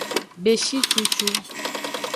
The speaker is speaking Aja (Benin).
Beshi cucu.